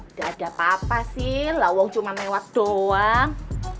enggak ada apa apa sih lawang cuma mewat doang